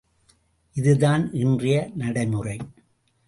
இதுதான் இன்றைய நடைமுறை.